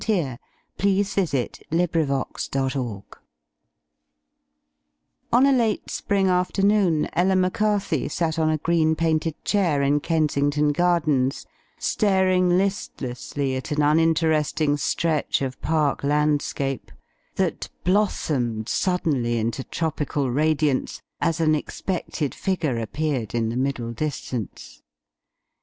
'E come back and done that." SHOCK TACTICS On a late spring afternoon Ella McCarthy sat on a green painted chair in Kensington Gardens, staring listlessly at an uninteresting stretch of park landscape, that blossomed suddenly into tropical radiance as an expected figure appeared in the middle distance.